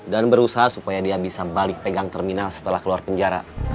dan berusaha supaya dia bisa balik pegang terminal setelah keluar penjara